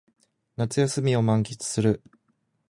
夏休みを満喫する